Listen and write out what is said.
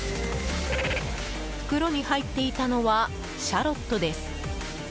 袋に入っていたのはシャロットです。